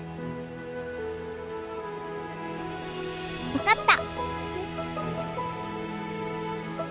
分かった！